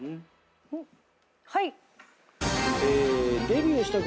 はい。